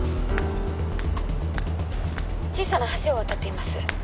小さな橋を渡っています